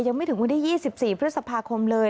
ยังไม่ถึงวันที่๒๔พฤษภาคมเลย